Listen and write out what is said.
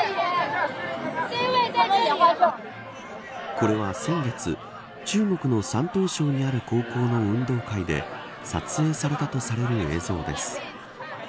これは先月、中国の山東省にある高校の運動会で撮影されたとされる映像です。